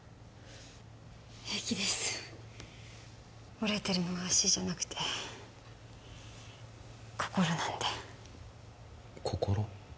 平気です折れてるのは足じゃなくて心なんで心？